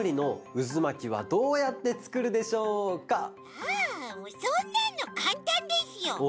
ああもうそんなのかんたんですよ。